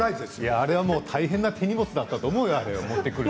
あれは、なかなかの手荷物だったと思うよ